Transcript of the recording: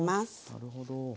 なるほど。